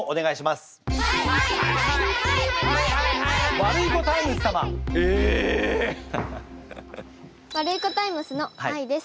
ワルイコタイムスのあいです。